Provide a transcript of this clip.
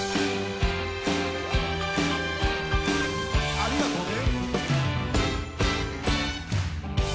ありがとね！